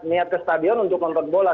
niat ke stadion untuk nonton bola